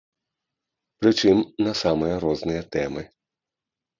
Прычым на самыя розныя тэмы.